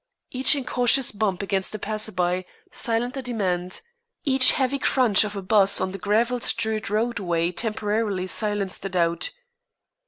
Each incautious bump against a passer by silenced a demand, each heavy crunch of a 'bus on the gravel strewed roadway temporarily silenced a doubt.